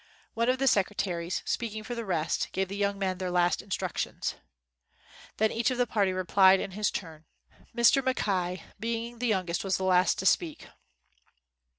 One of the secretaries, speaking for the rest, gave the young men their last instructions. Then each of the party replied in his turn. Mr. Mackay being the youngest was the last to speak.